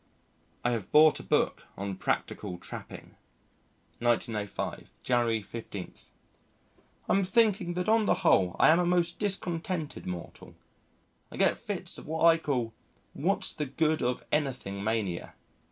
I have bought a book on practical trapping. 1905 January 15. I am thinking that on the whole I am a most discontented mortal. I get fits of what I call "What's the good of anything" mania.